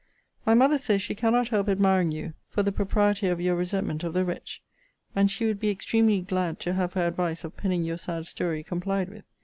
My mother says she cannot help admiring you for the propriety of your resentment of the wretch; and she would be extremely glad to have her advice of penning your sad story complied with.